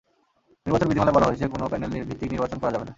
নির্বাচন বিধিমালায় বলা হয়েছে, কোনো প্যানেল ভিত্তিক নির্বাচন করা যাবে না।